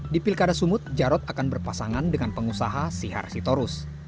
di pilkada sumut jarod akan berpasangan dengan pengusaha sihar sitorus